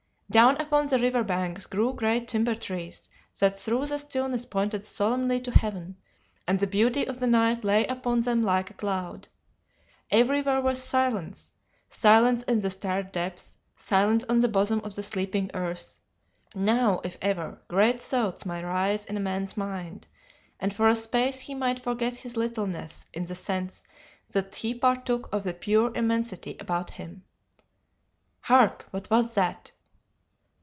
Down upon the river banks grew great timber trees that through the stillness pointed solemnly to Heaven, and the beauty of the night lay upon them like a cloud. Everywhere was silence silence in the starred depths, silence on the bosom of the sleeping earth. Now, if ever, great thoughts might rise in a man's mind, and for a space he might forget his littleness in the sense that he partook of the pure immensity about him. "'Hark! what was that?